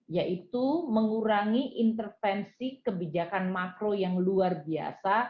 yaitu mengurangi intervensi kebijakan makro yang luar biasa